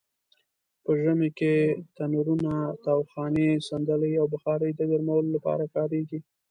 په ژمې کې تنرونه؛ تاوخانې؛ صندلۍ او بخارۍ د ګرمولو لپاره کاریږي.